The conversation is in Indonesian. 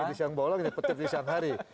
petir di siang bolong ya petir di siang hari